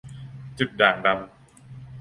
จุดด่างดำ